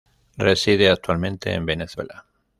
Reside actualmente en Venezuela.